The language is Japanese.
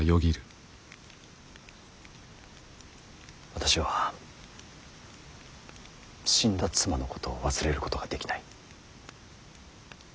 私は死んだ妻のことを忘れることができない。